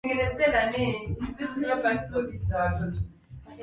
Nkalinzi ulijumuisha eneo la kalinzi kuelekea kigoma mjini na mwambao wa ziwa tanganyika